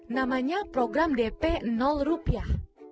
namanya program dp rupiah